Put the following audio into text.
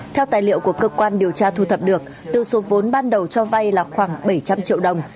theo tài liệu của cơ quan điều tra thu thập được từ số vốn ban đầu cho vay là khoảng bảy trăm linh triệu đồng